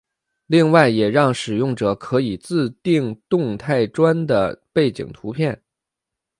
另外也让使用者可以自订动态砖的背景图片。